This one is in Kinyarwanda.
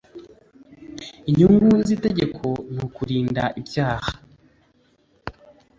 inyungu z ‘itegeko nukurinda ibyaha.